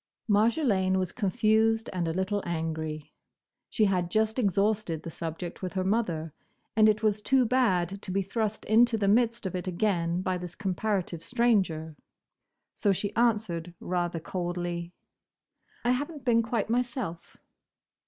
Marjolaine was confused, and a little angry. She had just exhausted the subject with her mother, and it was too bad to be thrust into the midst of it again by this comparative stranger. So she answered rather coldly, "I have n't been quite myself."